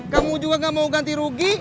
kamu juga gak mau ganti rugi